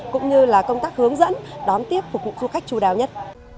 cũng như là công tác hướng dẫn đón tiếp phục vụ khu khách chú đào nhất